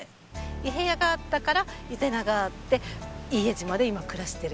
伊平屋があったから伊是名があって伊江島で今暮らしている。